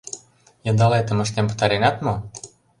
Йыдалетым ыштен пытаренат мо?